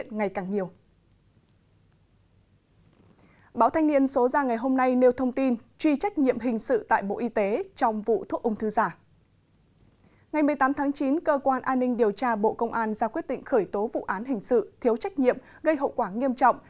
ngày một mươi tám tháng chín cơ quan an ninh điều tra bộ công an ra quyết định khởi tố vụ án hình sự thiếu trách nhiệm gây hậu quả nghiêm trọng